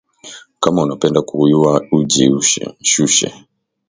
Kama unapenda kuyuwa uji shushe